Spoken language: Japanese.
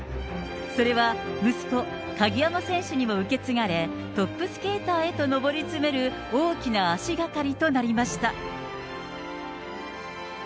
それは息子、鍵山選手にも受け継がれ、トップスケーターへと上り詰める大きな足掛かりとなりました。